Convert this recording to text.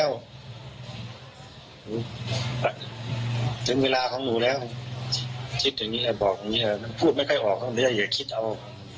พูดไม่ค่อยออกต้องเลยอย่าคิดเอา